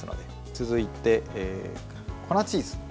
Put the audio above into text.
続いて、粉チーズ。